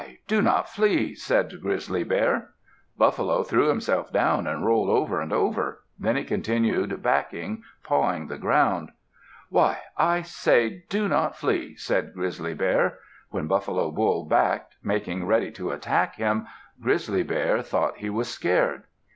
Do not flee," said Grizzly Bear. Buffalo threw himself down, and rolled over and over. Then he continued backing, pawing the ground. "Why! I say, do not flee," said Grizzly Bear. When Buffalo Bull backed, making ready to attack him, Grizzly Bear thought he was scared.